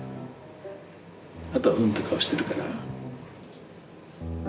あとはフンッて顔してるから。